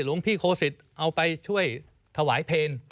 หลวงพี่โคสิตเอาไปช่วยถวายเพลง